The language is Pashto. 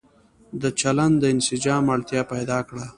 د چلن د انسجام اړتيا پيدا کړه